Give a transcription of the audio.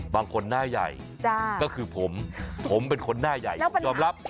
บางคนหน้าใหญ่ก็คือผมผมเป็นคนหน้าใหญ่ผมยอมรับ